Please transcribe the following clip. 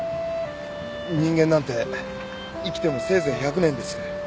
人間なんて生きてもせいぜい１００年です。